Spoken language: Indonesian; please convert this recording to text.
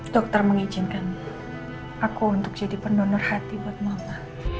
dokter mengizinkan aku untuk jadi pendonor hati buat mama